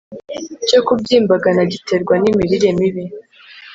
cyo kubyimbagana giterwa n'imirire mibi